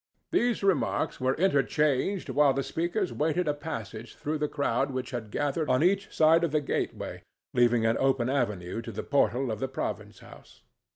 These remarks were interchanged while the speakers waited a passage through the crowd which had gathered on each side of the gateway, leaving an open avenue to the portal of the province house.